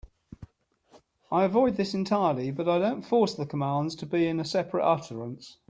I avoid this entirely, but I don't force the commands to be in a separate utterance.